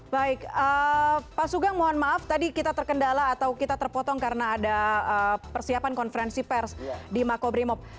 baik pak sugeng mohon maaf tadi kita terkendala atau kita terpotong karena ada persiapan konferensi pers di makobrimob